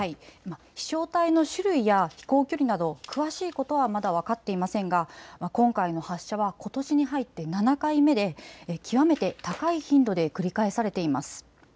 飛しょう体の種類や飛行距離など詳しいことはまだ分かっていませんが今回の発射はことしに入って７回目で極めて高い頻度で繰り返されています。